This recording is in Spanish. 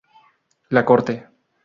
La corte.